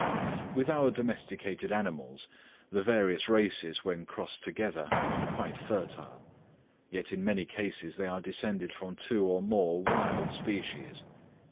With our domesticated animals, the various races when crossed together are quite fertile; yet in many cases they are descended from two or more wild species.